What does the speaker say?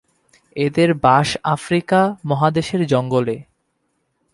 এদের বাস আফ্রিকা মহাদেশের জঙ্গলে।